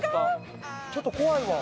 ちょっと怖いわ。